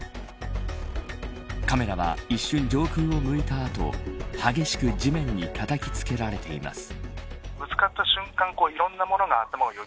カメラは一瞬、上空を向いた後激しく地面にたたきつけられています。